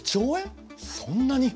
そんなに！